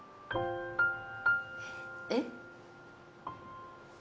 えっ？